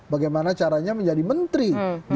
bagaimana caranya menjadi menteri